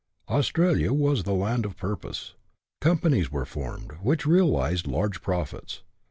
Australia was the land of promise. Companies were formed, which realized large profits.